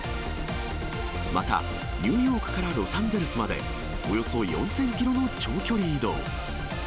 またニューヨークからロサンゼルスまで、およそ４０００キロの長距離移動。